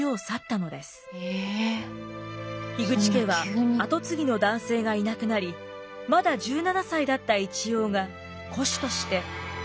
口家は後継ぎの男性がいなくなりまだ１７歳だった一葉が戸主として家族を養うことになりました。